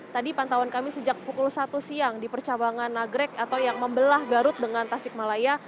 tadi pantauan kami sejak pukul satu siang di percabangan nagrek atau yang membelah garut dengan tasik malaya